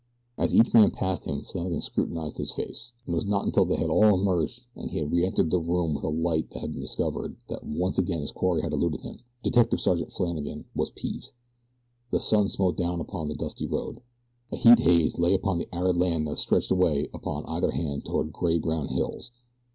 As each man passed him Flannagan scrutinized his face, and it was not until they had all emerged and he had reentered the room with a light that he discovered that once again his quarry had eluded him. Detective Sergeant Flannagan was peeved. The sun smote down upon a dusty road. A heat haze lay upon the arid land that stretched away upon either hand toward gray brown hills.